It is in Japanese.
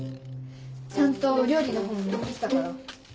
ちゃんと料理の本も持ってきたから。